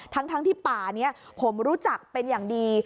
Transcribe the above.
ทั้งที่ป่านี้ผมรู้จักเป็นอย่างดี